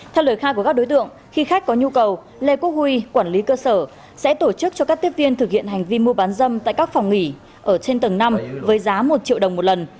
theo lời khai của các đối tượng khi khách có nhu cầu lê quốc huy quản lý cơ sở sẽ tổ chức cho các tiếp viên thực hiện hành vi mua bán dâm tại các phòng nghỉ ở trên tầng năm với giá một triệu đồng một lần